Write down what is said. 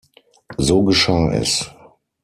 So geschah es.